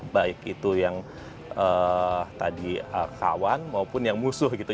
baik itu yang tadi kawan maupun yang musuh gitu